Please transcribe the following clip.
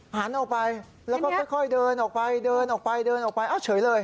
หันออกไปแล้วก็ค่อยเดินออกไปเฉยเลย